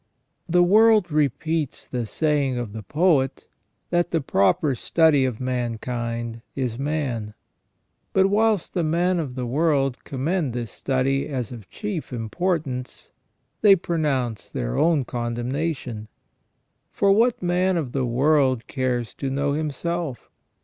THE world repeats the saying of the poet, that the proper study of mankind is man ; but whilst the men of the world commend this study as of chief importance, they pronounce their own condemnation. For what man of the world cares to know himself?